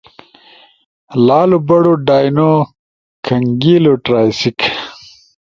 لالو بڑو ڈائنو [کھنگیلو] ٹرائسیک۔